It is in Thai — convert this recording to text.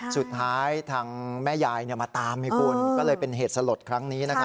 สุดท้ายทางแม่ยายมาตามให้คุณก็เลยเป็นเหตุสลดครั้งนี้